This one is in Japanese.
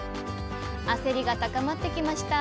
焦りが高まってきました